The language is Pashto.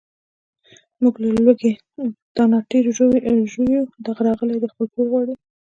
موږ له لوږې ټانټې ژویو، دی راغلی دی خپل پور غواړي.